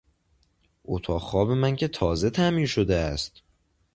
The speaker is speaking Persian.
اتاق خواب من که تازه تعمیر شده است